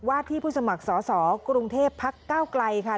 วาดที่ผู้สมัครสอสอภักร์กรุงเทพภักร์เก้าไกลค่ะ